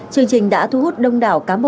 chương trình đã thu hút đông đảo cám bộ